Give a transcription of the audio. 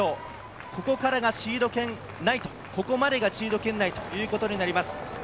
ここからがシード圏内、ここまでがシード圏内ということになります。